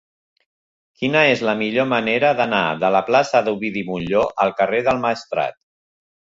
Quina és la millor manera d'anar de la plaça d'Ovidi Montllor al carrer del Maestrat?